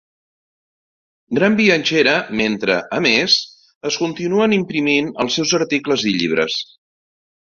Gran viatgera, mentre, a més, es continuen imprimint els seus articles i llibres.